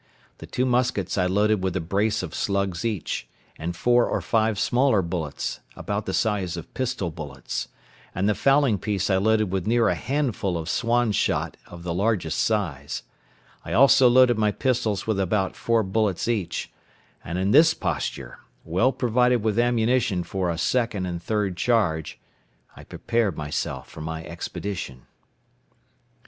The two muskets I loaded with a brace of slugs each, and four or five smaller bullets, about the size of pistol bullets; and the fowling piece I loaded with near a handful of swan shot of the largest size; I also loaded my pistols with about four bullets each; and, in this posture, well provided with ammunition for a second and third charge, I prepared myself for my expedition.